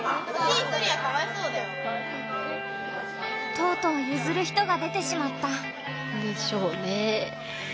とうとうゆずる人が出てしまった。でしょうね。